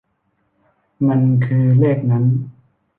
มันคือเลขนั้น